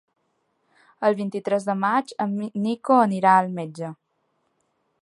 El vint-i-tres de maig en Nico anirà al metge.